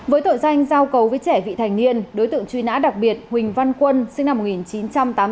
với tội danh giao cầu với trẻ vị thành niên đối tượng truy nã đặc biệt huỳnh văn quân sinh năm một nghìn chín trăm tám mươi tám